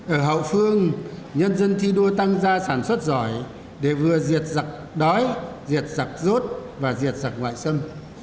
ở hậu phương nhân dân thi đua tăng ra sản xuất giỏi để vừa diệt giặc đói diệt giặc rốt và diệt giặc ngoại xâm